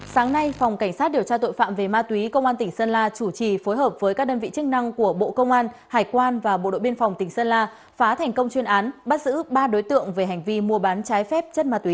sáng nay phòng cảnh sát điều tra tội phạm về ma túy công an tỉnh sơn la chủ trì phối hợp với các đơn vị chức năng của bộ công an hải quan và bộ đội biên phòng tỉnh sơn la phá thành công chuyên án bắt giữ ba đối tượng về hành vi mua bán trái phép chất ma túy